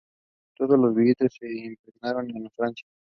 Todos los billetes se imprimieron en Francia.